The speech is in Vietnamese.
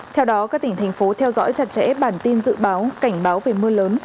theo đó các tỉnh thành phố theo dõi chặt chẽ bản tin dự báo cảnh báo về mưa lớn